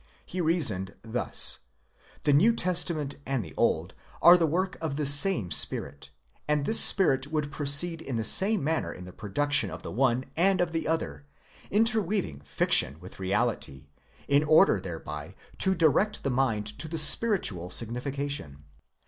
He reasoned thus :—the New Testament and the Old are the work of the same spirit, and this spirit would proceed in the same manner in the production of the oneand of the other, interweaving fiction with reality, in order thereby to direct the mind to the spiritual signification.